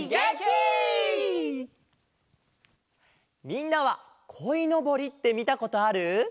みんなはこいのぼりってみたことある？